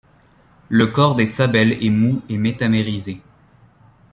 Le corps des sabelles est mou et métamérisé.